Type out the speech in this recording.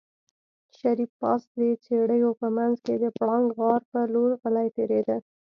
شريف پاس د څېړيو په منځ کې د پړانګ غار په لور غلی تېرېده.